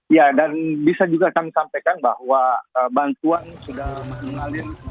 ya dan bisa juga kami sampaikan bahwa bantuan sudah mengalir